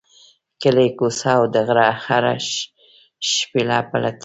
کلی، کوڅه او د غره هره شیله پلټي.